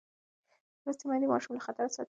لوستې میندې ماشوم له خطره ساتي.